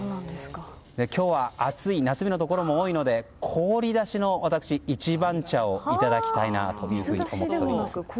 今日は暑い夏日のところで多いので私、氷出しの一番茶をいただきたいなと思います。